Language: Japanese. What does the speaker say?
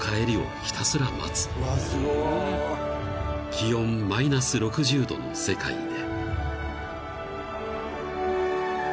［気温マイナス６０℃の世界で］